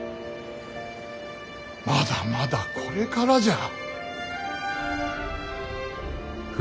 まだまだこれからじゃ。